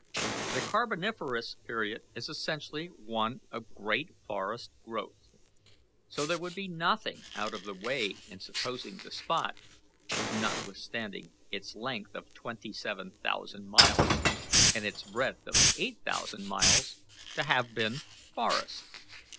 The Carboniferous period is essentially one of great forest growth; so there would be nothing out of the way in supposing the spot, notwithstanding its length of twenty seven thousand miles and its breadth of eight thousand miles, to have been forest.